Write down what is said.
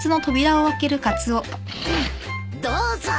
どうぞ！